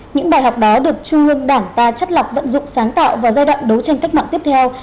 những bài học đó được trung ương đảng ta chất lọc vận dụng sáng tạo vào giai đoạn đấu tranh cách mạng tiếp theo